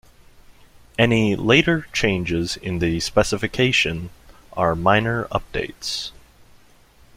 Any later changes in the specification are minor updates.